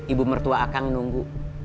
ibu mertua akang nunggu